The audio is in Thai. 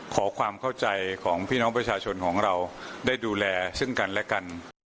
ขอความเข้าใจของพี่น้องประชาชนของเราได้ดูแลซึ่งกันและกัน